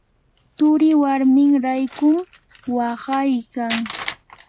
turii warmin raykun waqaykan.